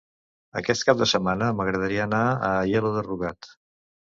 Aquest cap de setmana m'agradaria anar a Aielo de Rugat.